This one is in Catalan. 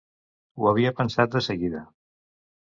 Ho havia pensat de seguida.